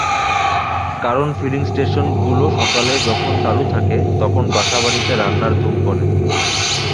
কারণ ফিলিং স্টেশনগুলো সকালে যখন চালু থাকে, তখন বাসাবাড়িতে রান্নার ধুম পড়ে।